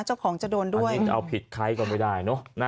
เจ้าของจะโดนด้วยอันนี้เอาผิดใครก็ไม่ได้